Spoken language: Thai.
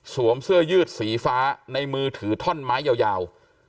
เสื้อยืดสีฟ้าในมือถือท่อนไม้ยาว